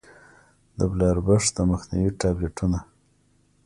د بلاربښت د مخنيوي ټابليټونه